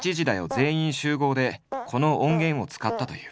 全員集合」でこの音源を使ったという。